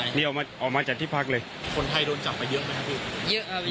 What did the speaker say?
นี่ออกมาจากที่พักเลยคนไทยโดนจับมาเยอะไหมครับพี่เยอะ